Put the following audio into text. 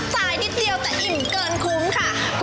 นิดเดียวแต่อิ่มเกินคุ้มค่ะ